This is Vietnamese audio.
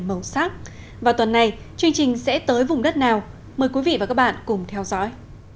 màu sắc vào tuần này chương trình sẽ tới vùng đất nào mời quý vị và các bạn cùng theo dõi